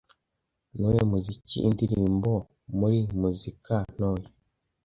Nuwuhe muziki indirimbo muri Muzika Ntoya